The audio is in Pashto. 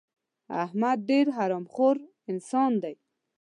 احمد ډېر حرام خور انسان دی.